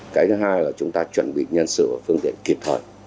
cái thứ hai là chúng ta chuẩn bị nhân sự và phương tiện kịp thời